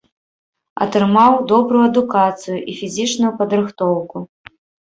Атрымаў добрую адукацыю і фізічную падрыхтоўку.